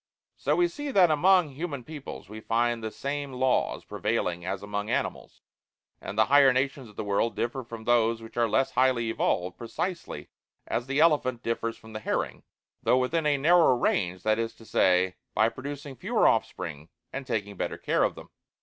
So, we see, that among human peoples we find the same laws prevailing as among animals, and the higher nations of the world differ from those which are less highly evolved precisely as the elephant differs from the herring, though within a narrower range, that is to say, BY PRODUCING FEWER OFFSPRING AND TAKING BETTER CARE OF THEM.